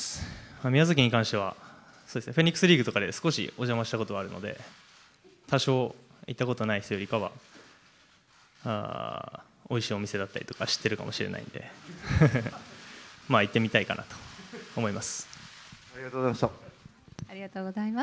宮崎に関しては、そうですね、フェニックスリーグとかで少しお邪魔したことはあるので、多少行ったことない人よりかは、おいしいお店だったりとか知ってるかもしれないんで、行ってみたいかなと思います。